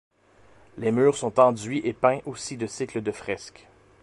Les murs sont enduits et peints aussi de cycles de fresques.